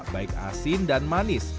baik asin dan manis